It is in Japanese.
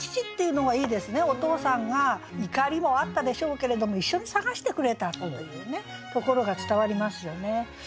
お父さんが怒りもあったでしょうけれども一緒に探してくれたというところが伝わりますよね。